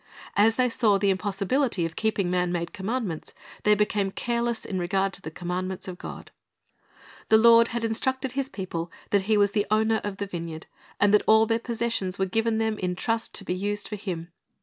As they saw the impossibility of keeping man made commandments, they became careless in regard to the commandments of God. The Lord had instructed His people that He was the owner of the vineyard, and that all their possessions were given them in trust to be used for Him.